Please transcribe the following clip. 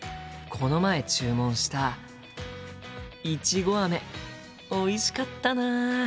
この前注文したいちごあめおいしかったな。